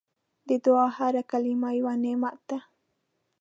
د دعا هره کلمه یو نعمت ده.